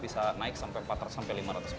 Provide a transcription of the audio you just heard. sampai empat ratus sampai lima ratus porsi